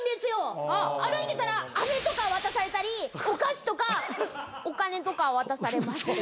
歩いてたらあめとか渡されたりお菓子とかお金とか渡されます。